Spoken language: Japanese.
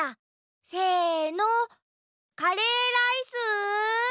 せのカレーライス？